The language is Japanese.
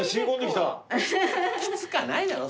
きつかないだろ。